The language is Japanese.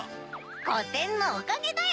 こてんのおかげだよ！